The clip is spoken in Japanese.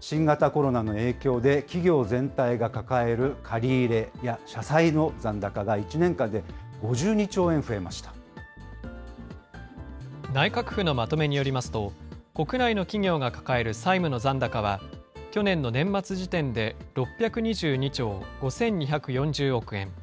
新型コロナの影響で、企業全体が抱える借り入れや社債の残高が、内閣府のまとめによりますと、国内の企業が抱える債務の残高は、去年の年末時点で６２２兆５２４０億円。